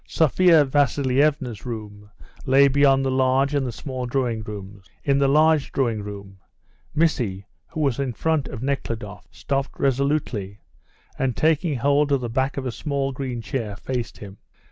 Sophia Vasilievna's room lay beyond the large and the small drawing rooms. In the large drawing room, Missy, who was in front of Nekhludoff, stopped resolutely, and taking hold of the back of a small green chair, faced him.